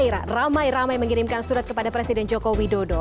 ira ramai ramai mengirimkan surat kepada presiden joko widodo